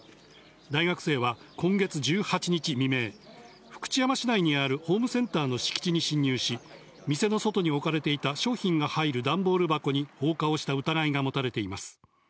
大学生は今月１８日未明、福知山市内にあるホームセンターの敷地に侵入し、店の外に置かれていた商品が入る段ボール箱に放火をした疑いが持たれています。